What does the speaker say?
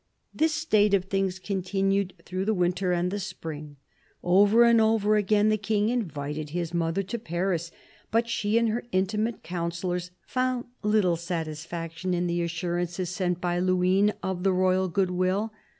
This state of things continued through the winter and the spring. Over and over again the King invited his mother to Paris ; but she and her intimate counsellors found little satisfaction in the assurances sent by Luynes of the royal good will.